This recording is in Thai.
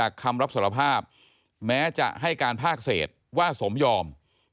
คำรับสารภาพแม้จะให้การภาคเศษว่าสมยอม